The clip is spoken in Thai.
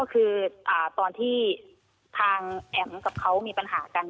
คือตอนที่ทางแอ๋มกับเขามีปัญหากัน